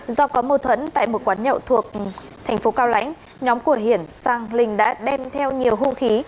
do có mâu thuẫn tại một quán nhậu thuộc thành phố cao lãnh nhóm của hiển sang linh đã đem theo nhiều hung khí